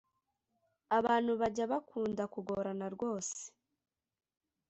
Abantu bajya bakunda kugorana rwose